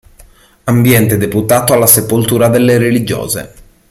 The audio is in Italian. Ambiente deputato alla sepoltura delle religiose.